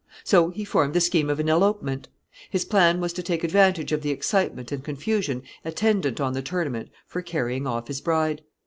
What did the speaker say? So he formed the scheme of an elopement. His plan was to take advantage of the excitement and confusion attendant on the tournament for carrying off his bride.